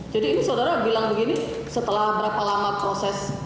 jadi ini saudara bilang begini setelah berapa lama proses